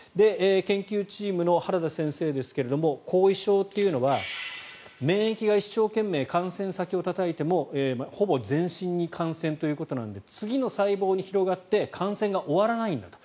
研究チームの原田先生ですが後遺症というのは免疫が一生懸命感染先をたたいてもほぼ全身に感染ということなので次の細胞に広がって感染が終わらないんだと。